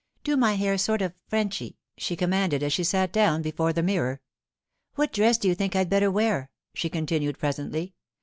Do my hair sort of Frenchy,' she commanded as she sat down before the mirror. 'What dress do you think I'd better wear?' she continued presently.